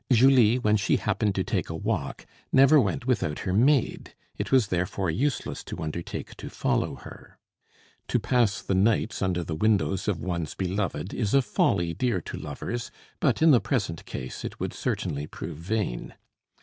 Julie, when she happened to take a walk, never went without her maid; it was therefore useless to undertake to follow her. To pass the nights under the windows of one's beloved is a folly dear to lovers, but, in the present case, it would certainly prove vain.